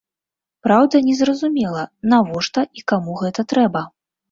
Праўда, незразумела, навошта і каму гэта трэба.